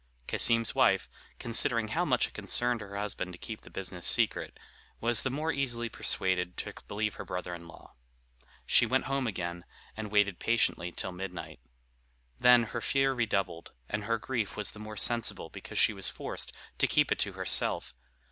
Cassim's wife, considering how much it concerned her husband to keep the business secret, was the more easily persuaded to believe her brother in law. She went home again, and waited patiently till midnight. Then her fear redoubled, and her grief was the more sensible because she was forced to keep it to herself.